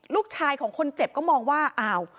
ลูกชายของคนเจ็บก็มองว่าอ้าว